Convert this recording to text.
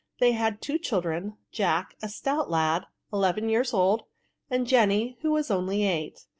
They had two children — Jack, a stout lad, eleven years old, and Jenny, who was only, eight.